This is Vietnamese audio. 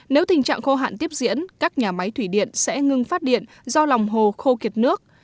nếu tình trạng khô hạn tiếp diễn các nhà máy thủy điện sẽ ngưng phát điện do lòng hồ khô kiệt nước